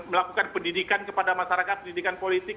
melakukan pendidikan kepada masyarakat pendidikan politik